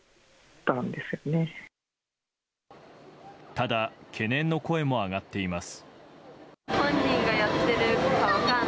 ただ懸念の声も上がっています。